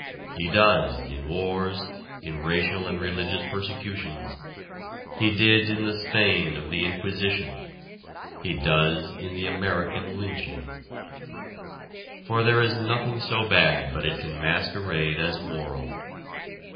He does in wars, in racial and religious persecutions; he did in the Spain of the Inquisition; he does in the American lynching. For there is nothing so bad but it can masquerade as moral.